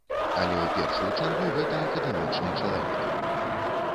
Але ў першую чаргу гэта акадэмічны чалавек.